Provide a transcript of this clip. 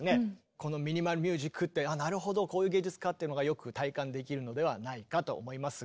このミニマル・ミュージックってなるほどこういう芸術かっていうのがよく体感できるのではないかと思いますが。